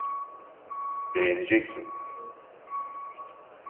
Beğeneceksin.